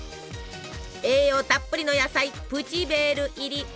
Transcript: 栄養たっぷりの野菜プチヴェール入り！